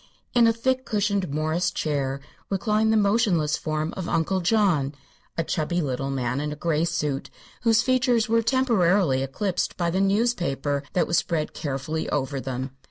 In a thick cushioned morris chair reclined the motionless form of Uncle John, a chubby little man in a gray suit, whose features were temporarily eclipsed by the newspaper that was spread carefully over them.